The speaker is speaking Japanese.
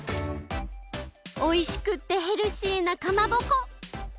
おいしくってヘルシーなかまぼこ！